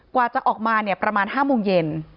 กว่าจะออกมาเนี่ยประมาณ๕โมงเย็น